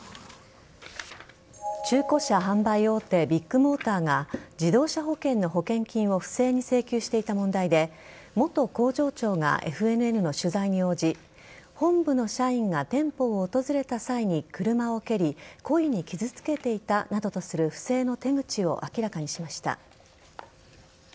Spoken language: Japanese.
中古車販売大手ビッグモーターが自動車保険の保険金を不正に請求していた問題で元工場長がＦＮＮの取材に応じ本部の社員が店舗を訪れた際に車を蹴り故意に傷つけていたなどとする不正の手口を明らかにしました。